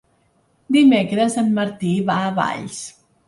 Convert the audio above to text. Dimecres en Martí va a Valls.